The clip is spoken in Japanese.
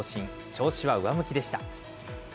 調子は上向きでした。